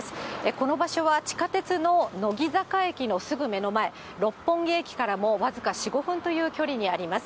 この場所は地下鉄の乃木坂駅のすぐ目の前、六本木駅からも僅か４、５分という距離にあります。